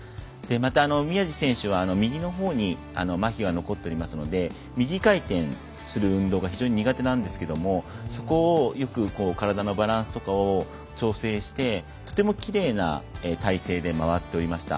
また、宮路選手は右のほうにまひが残っていますので右回転する運動が非常に苦手なんですがそこをよく体のバランスとかを調整して、とてもきれいな体勢で回っておりました。